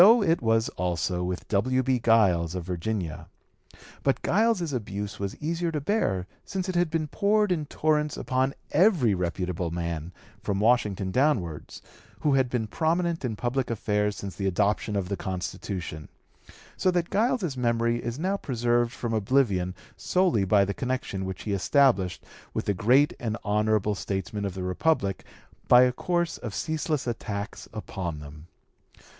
So it was also with W. B. Giles, of Virginia. But Giles's abuse was easier to bear since it had been poured in torrents upon every reputable man, from Washington downwards, who had been prominent in public affairs since the adoption of the Constitution, so that (p. 212) Giles's memory is now preserved from oblivion solely by the connection which he established with the great and honorable statesmen of the Republic by a course of ceaseless attacks upon them.